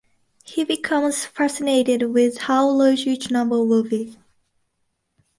He becomes fascinated with how large each number will be.